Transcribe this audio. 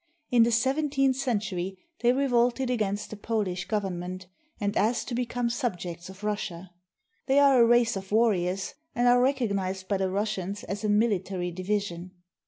In the seventeenth century they revolted against the Polish Government and asked to become subjects of Russia. They are a race of warriors and are recognized by the Russians as a military division.